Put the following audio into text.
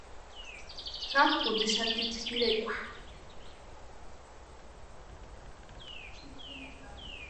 Jakʼuntixati tʼirekwa.